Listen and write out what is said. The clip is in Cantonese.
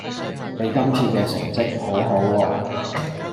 你今次嘅成績好好喎